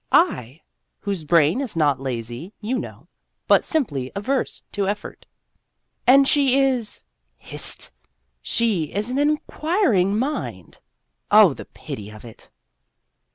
I whose brain is not lazy, you know, but simply averse to effort. And she is hist! she is an Inquiring Mind! Oh, the pity of it